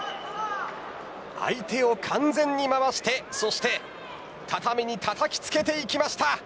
相手を完全に回してそして畳にたたきつけていきました。